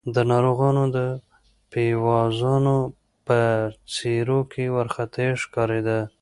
د ناروغانو د پيوازانو په څېرو کې وارخطايي ښکارېده.